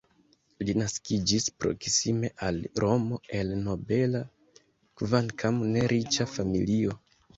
Li naskiĝis proksime al Romo el nobela, kvankam ne riĉa familio.